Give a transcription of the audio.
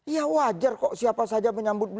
ya wajar kok siapa saja menyambut